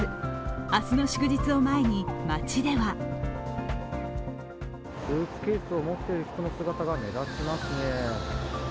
明日の祝日を前に街ではスーツケースを持っている人の姿が目立ちますね。